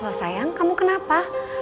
loh sayang kamu kenapa